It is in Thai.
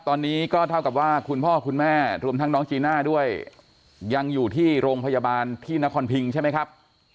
ตอนนี้ก็เท่ากับว่าคุณพ่อคุณแม่รวมทั้งน้องจีน่าด้วยยังอยู่ที่โรงพยาบาลที่นครพิงใช่ไหมครับ